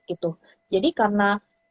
gitu jadi karena